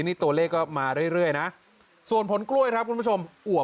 นี่ตัวเลขก็มาเรื่อยนะส่วนผลกล้วยครับคุณผู้ชมอวบ